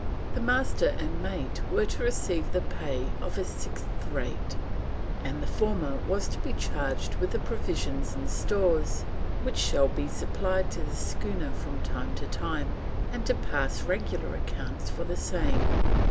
The Master and mate were to receive the pay of a sixth rate, and the former was "to be charged with the provisions and stores which shall be supplied to the schooner from time to time, and to pass regular accounts for the same."